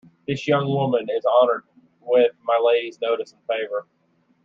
This young woman is honoured with my Lady's notice and favour.